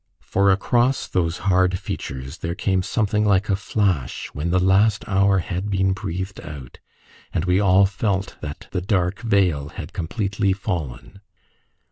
For across those hard features there came something like a flash when the last hour had been breathed out, and we all felt that the dark veil had completely fallen.